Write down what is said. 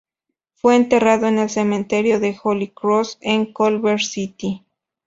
Fue enterrado en el Cementerio de Holy Cross, en Culver City.